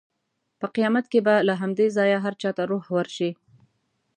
په قیامت کې به له همدې ځایه هر چا ته روح ورشي.